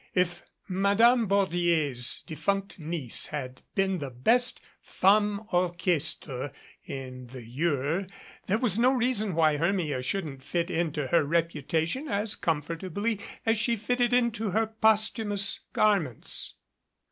If Madame Bordier's de funct niece had been the best Femme Orcliestre in the Eure, there was no reason why Hermia shouldn't fit into her reputation as comfortably as she fitted into her post humous garments.